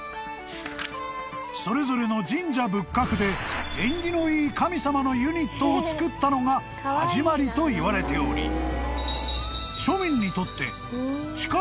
［それぞれの神社仏閣で縁起のいい神様のユニットをつくったのが始まりといわれており］